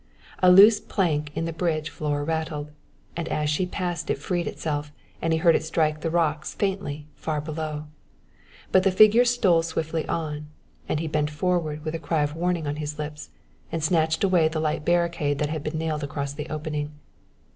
A loose plank in the bridge floor rattled, and as she passed it freed itself and he heard it strike the rocks faintly far below; but the figure stole swiftly on, and he bent forward with a cry of warning on his lips, and snatched away the light barricade that had been nailed across the opening.